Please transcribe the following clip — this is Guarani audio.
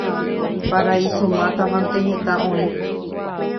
paraíso mátamante heta oĩ